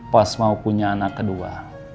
pas mau punya anak kedua